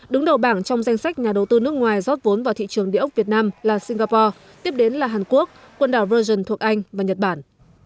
đứng đầu bảng trong danh sách nhà đầu tư nước ngoài rót vốn vào thị trường đề ốc việt nam là singapore tiếp đến là hàn quốc quần đảo virgin thuộc anh và nhật bản